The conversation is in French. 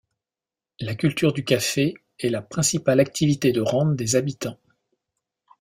La culture du café est la principale activité de rente des habitants.